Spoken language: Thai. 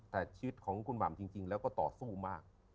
แต่ชีวิตของคุณหม่ำจริงแล้วก็ต่อสู้มาก